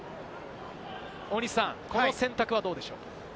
大西さん、この選択はどうでしょう？